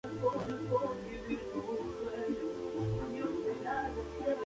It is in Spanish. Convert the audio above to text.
Se ubicaba en los alrededores de la región de La Salle, en Texas.